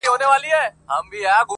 o ما ويل وېره مي پر زړه پرېوته.